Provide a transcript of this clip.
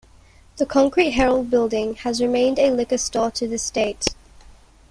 The Concrete Herald Building has remained a liquor store to this date.